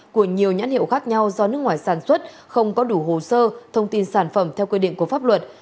của nhiều nhãn hiệu khác nhau do nước ngoài sản xuất không có đủ hồ sơ thông tin sản phẩm theo quy định của pháp luật